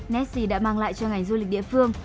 nessie đã mang lại cho ngành du lịch địa phương